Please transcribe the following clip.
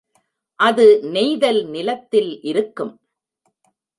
அது நெய்தல் நிலத்தில் இருக்கும்.